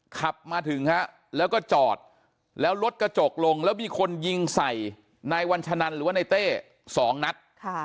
ขับมาถึงฮะแล้วก็จอดแล้วรถกระจกลงแล้วมีคนยิงใส่นายวัญชนันหรือว่านายเต้สองนัด